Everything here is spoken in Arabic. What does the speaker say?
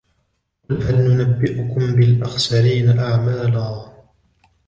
قُلْ هَلْ نُنَبِّئُكُمْ بِالْأَخْسَرِينَ أَعْمَالًا